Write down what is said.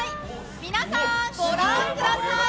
皆さん、ご覧ください！